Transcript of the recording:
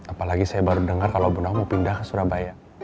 apalagi saya baru dengar kalau bu namu pindah ke surabaya